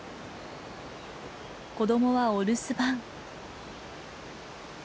子どもはお留守番。